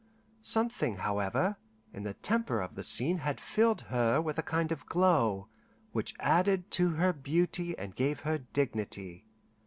Something, however, in the temper of the scene had filled her with a kind of glow, which added to her beauty and gave her dignity.